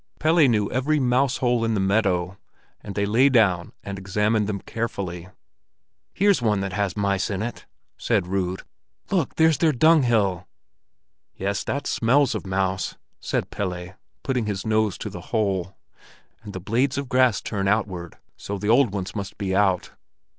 Pelle knew every mouse hole in the meadow, and they lay down and examined them carefully. "Here's one that has mice in it," said Rud. "Look, here's their dunghill!" "Yes, that smells of mouse," said Pelle, putting his nose to the hole. "And the blades of grass turn outward, so the old ones must be out."